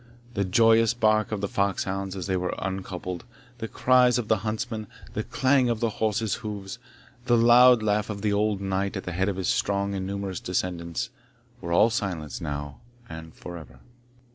The joyous bark of the fox hounds as they were uncoupled, the cries of the huntsmen, the clang of the horses' hoofs, the loud laugh of the old knight at the head of his strong and numerous descendants, were all silenced now and for ever.